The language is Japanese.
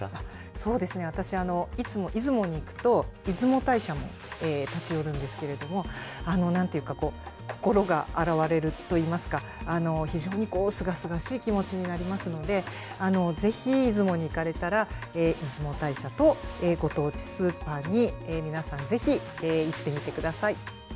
そうですね、私、いつも出雲に行くと、出雲大社に立ち寄るんですけれども、なんていうか、心が洗われるといいますか、非常にすがすがしい気持ちになりますので、ぜひ、出雲に行かれたら、出雲大社とご当地スーパーに、皆さん、ぜひ行ってみてください。